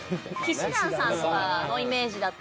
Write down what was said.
氣志團さんとかのイメージだった。